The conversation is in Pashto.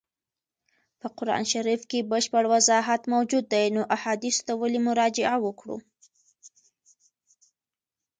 په قرآن شریف کي بشپړ وضاحت موجود دی نو احادیثو ته ولي مراجعه وکړو.